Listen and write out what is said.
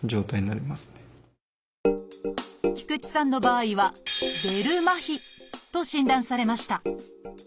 菊地さんの場合はと診断されました。